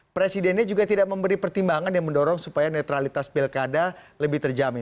presidennya juga tidak memberi pertimbangan yang mendorong supaya netralitas pilkada lebih terjamin